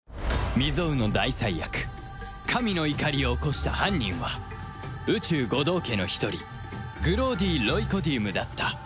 未曾有の大災厄神の怒りを起こした犯人は宇蟲五道化の一人グローディ・ロイコディウムだった